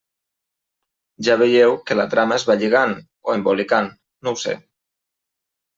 Ja veieu que la trama es va lligant, o embolicant, no ho sé.